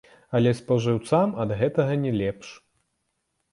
Але спажыўцам ад гэтага не лепш.